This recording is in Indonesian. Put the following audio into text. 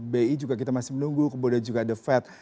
bi juga kita masih menunggu keboda juga ada fed